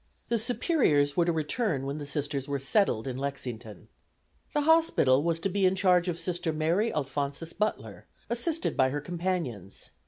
The Superiors were to return when the Sisters were settled in Lexington. The hospital was to be in charge of Sister M. Alphonsus Butler, assisted by her companions.